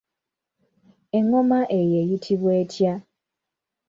Engoma eyo eyitibwa etya?